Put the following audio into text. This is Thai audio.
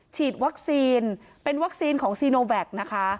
ฉีดวัคซีนเป็นวัคซีนของซีโนแวคนะคะ